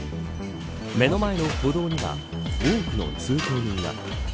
目の前の歩道には多くの通行人が。